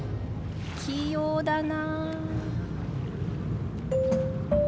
器用だな。